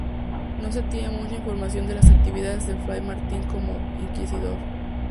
No se tiene mucha información de las actividades de Fray Martín como inquisidor.